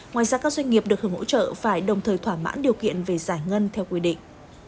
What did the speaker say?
ngoài ra các doanh nghiệp được hưởng hỗ trợ phải đồng thời thỏa mãn điều kiện về giải ngân theo quy định